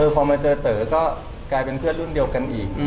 พอมาเจอเต๋อก็กลายเป็นเพื่อนรุ่นเดียวกันอีก